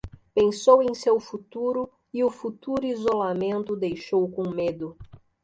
Pensou em seu futuro e o futuro isolamento o deixou com medo.